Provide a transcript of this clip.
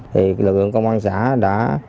thì lực lượng công an xã đã